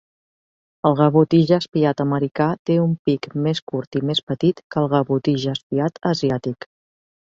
El gavotí jaspiat americà té un pic més curt i més petit que el gavotí jaspiat asiàtic.